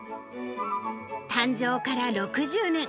誕生から６０年。